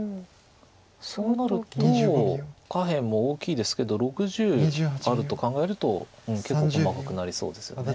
そうなると下辺も大きいですけど６０あると考えると結構細かくなりそうですよね。